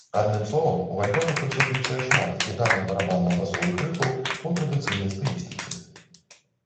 Адным словам, у альбоме прысутнічае шмат гітарна-барабанна-басовых рыфаў у традыцыйнай стылістыцы.